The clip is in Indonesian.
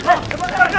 tuh tuhan tuhan tuhan